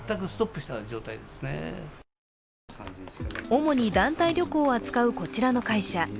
主に団体旅行を扱うこちらの会社。